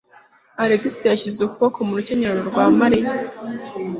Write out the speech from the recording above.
Alex yashyize ukuboko mu rukenyerero rwa Mariya.